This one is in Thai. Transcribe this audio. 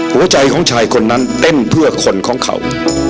หัวใจของชายคนนั้นเต้นเพื่อคนของเขา